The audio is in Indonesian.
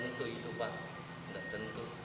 biasa satu kali berapa lama pak enggak tentu